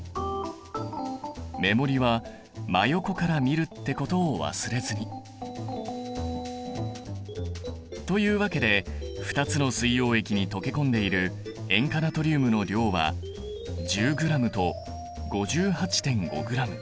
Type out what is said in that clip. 目盛りは真横から見るってことを忘れずに。というわけで２つの水溶液に溶け込んでいる塩化ナトリウムの量は１０ｇと５８．５ｇ。